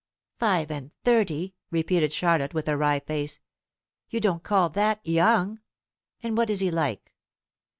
"Five and thirty!" repeated Charlotte, with a wry face; "you don't call that young? And what is he like?"